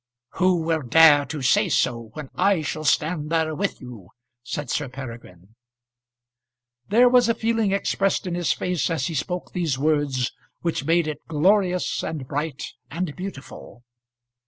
"Who will dare to say so, when I shall stand there with you?" said Sir Peregrine. There was a feeling expressed in his face as he spoke these words, which made it glorious, and bright, and beautiful.